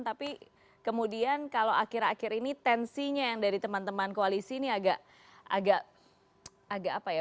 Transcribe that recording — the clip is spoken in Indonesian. tapi kemudian kalau akhir akhir ini tensinya yang dari teman teman koalisi ini agak apa ya